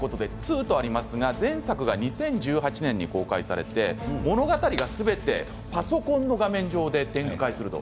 前作が２０１８年に公開されて物語が、すべてパソコンの画面上で展開すると。